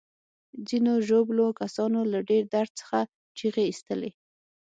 ځینو ژوبلو کسانو له ډیر درد څخه چیغې ایستلې.